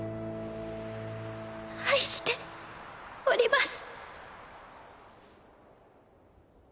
愛しております。